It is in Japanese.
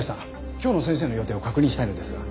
今日の先生の予定を確認したいのですが。